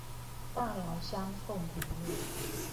大寮鄉鳳屏路